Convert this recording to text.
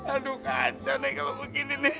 aduh kacau nih kalau begini nih